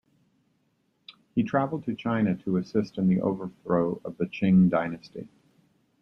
He traveled to China to assist in the overthrow of the Qing dynasty.